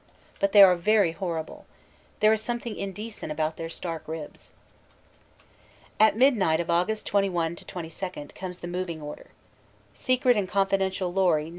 But they are very horrible. There is something inde cent about their stark ribs. * At midnight of Aug. 21 22 comes the moving order. "Secret and Confidential Lorry No.